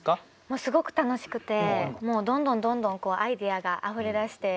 もうすごく楽しくてもうどんどんどんどんアイデアがあふれ出して。